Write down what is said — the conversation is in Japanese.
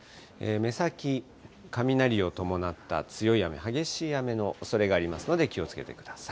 目先、雷を伴った強い雨、激しい雨のおそれがありますので気をつけてください。